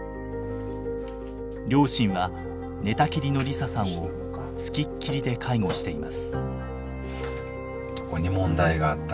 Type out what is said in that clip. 両親は寝たきりの梨沙さんを付きっきりで介護しています。